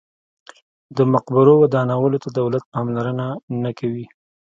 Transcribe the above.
د مقبرو ودانولو ته دولت پاملرنه نه کوي.